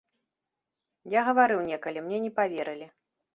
Я гаварыў некалі, мне не паверылі.